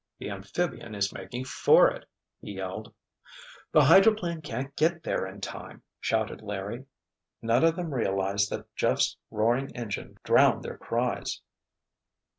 "The amphibian is making for it!" he yelled. "The hydroplane can't get there in time!" shouted Larry. None of them realized that Jeff's roaring engine drowned their cries.